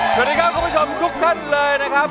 สวัสดีครับคุณผู้ชมทุกท่านเลยนะครับ